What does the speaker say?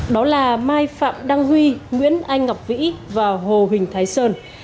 đó là mai phạm đăng huy nguyễn anh ngọc vĩ và hồ huỳnh thái sơn